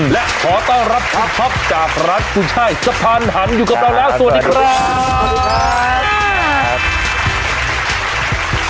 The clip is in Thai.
และขอต้อนรับอาท็อปจากร้านกุญช่ายสะพานหันอยู่กับเราแล้วสวัสดีครับ